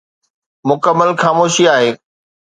مڪمل خاموشي آهي.